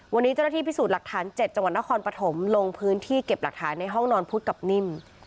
วันนี้เจ้าหน้าที่พิสูจน์หลักฐาน๗จังหวัดนครปฐมลงพื้นที่เก็บหลักฐานในห้องนอนพุทธกับนิ่ม